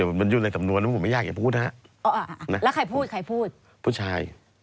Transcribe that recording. ออกเดี๋ยวมันอยู่ในกำนวณน้ำไม่ยากอย่าพูดนะฮะ